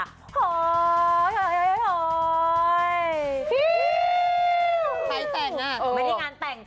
ใครแต่งไม่ได้งานแต่งจ๊ะ